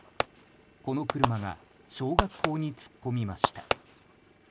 この車が小学校に突っ込みました。